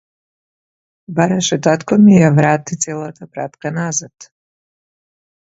Бараше татко ми ја врати целата пратка назад.